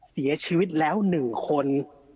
เสียชีวิตแล้วหนึ่งคน